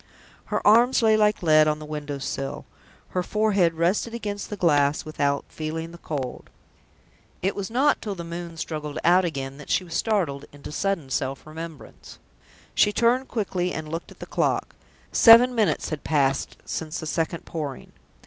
Her arms lay like lead on the window sill; her forehead rested against the glass without feeling the cold. It was not till the moon struggled out again that she was startled into sudden self remembrance. She turned quickly, and looked at the clock; seven minutes had passed since the second Pouring.